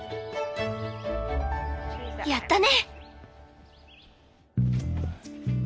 やったね！